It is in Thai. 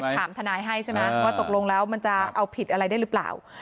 ถามทนายให้ใช่ไหมว่าตกลงแล้วมันจะเอาผิดอะไรได้หรือเปล่า